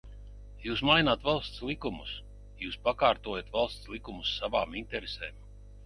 Jūs maināt valsts likumus, jūs pakārtojat valsts likumus savām interesēm.